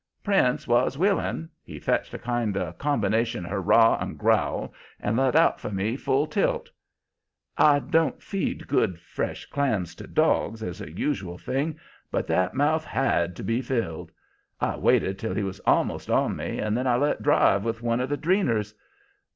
"Prince was willing. He fetched a kind of combination hurrah and growl and let out for me full tilt. I don't feed good fresh clams to dogs as a usual thing, but that mouth HAD to be filled. I waited till he was almost on me, and then I let drive with one of the dreeners.